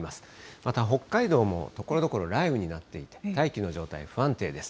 また北海道もところどころ雷雨になっていて、大気の状態が不安定です。